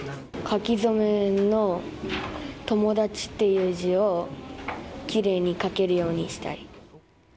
書き初めの友達っていう字をきれいに書けるようにしたい。